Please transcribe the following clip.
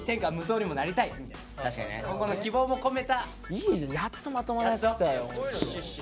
いいじゃんやっとまともなやつきたよ。